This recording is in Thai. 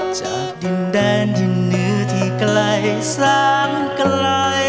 จากดินแดนดินเหนือที่ไกลสามไกล